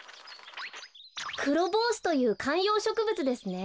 クロボウシというかんようしょくぶつですね。